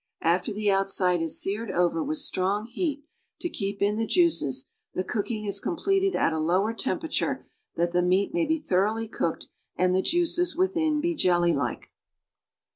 After the outside is seared over with strong heat to keep in the juices, the cooking is completed ;it a lower temperature that the meat mav be thoroughh' cooked and the juices within be jelly like.